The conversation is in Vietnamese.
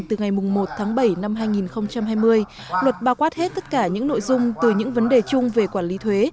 từ ngày một tháng bảy năm hai nghìn hai mươi luật bao quát hết tất cả những nội dung từ những vấn đề chung về quản lý thuế